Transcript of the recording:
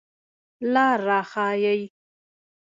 لار را ښایئ